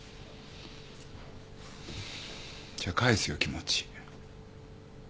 じゃ返すよ気持ち。